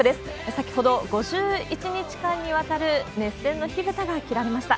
先ほど、５１日間にわたる熱戦の火ぶたが切られました。